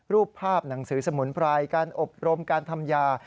รูปภาพหนังสือสมุนไพรการอบรมการทำยา